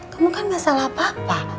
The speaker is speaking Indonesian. kamu kan masalah papa